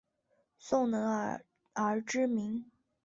宋能尔而知名。